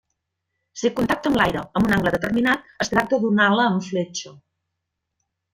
Si contacta amb l'aire amb un angle determinat, es tracta d'una ala en fletxa.